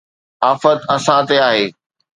آفت اسان تي آهي